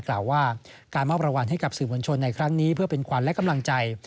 กล่าวว่าการมอบรางวัลให้กับสื่อมวลชนในครั้งนี้เพื่อเป็นขวัญและกำลังใจ